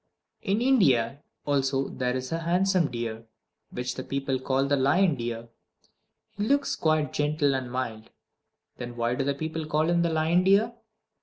In India also there is a handsome deer, which the people call the lion deer. He looks quite gentle and mild. Then why do the people call him the lion deer?